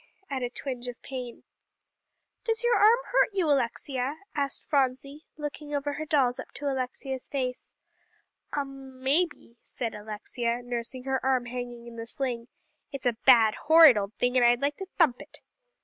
at a twinge of pain. "Does your arm hurt you, Alexia?" asked Phronsie, looking over her dolls up to Alexia's face. "Um maybe," said Alexia, nursing her arm hanging in the sling; "it's a bad, horrid old thing, and I'd like to thump it."